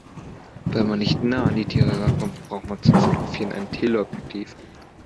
Weil man nicht nah an die Tiere herankommt, braucht man zum Fotografieren ein Teleobjektiv.